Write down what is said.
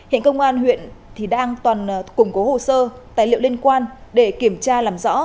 hiện công an huyện đang củng cố hồ sơ tài liệu liên quan để kiểm tra làm rõ